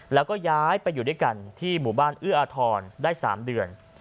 แล้วก็ย้ายไปอยู่ด้วยกันที่หมู่บ้านเอื้ออาทรได้๓เดือน